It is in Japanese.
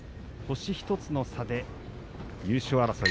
星１つの差で優勝争い